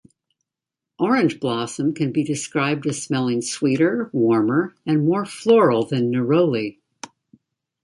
Orange blossom can be described as smelling sweeter, warmer and more floral than neroli.